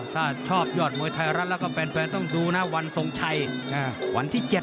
ถ้าชอบยอดมวยไทยรัฐแล้วก็แฟนต้องดูนะวันทรงชัยวันที่๗